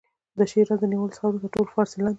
د شیراز د نیولو څخه وروسته یې ټول فارس لاندې شو.